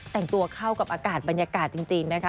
แต่งตัวเข้ากับอากาศบรรยากาศจริงนะคะ